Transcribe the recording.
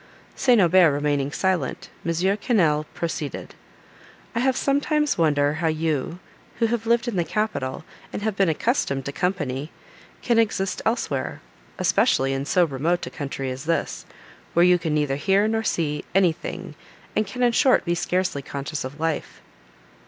St. Aubert remaining silent, M. Quesnel proceeded: "I have sometimes wondered how you, who have lived in the capital, and have been accustomed to company, can exist elsewhere;—especially in so remote a country as this, where you can neither hear nor see anything, and can in short be scarcely conscious of life."